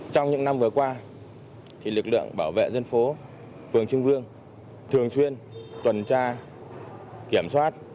trong những năm vừa qua lực lượng bảo vệ dân phố phường trưng vương thường xuyên tuần tra kiểm soát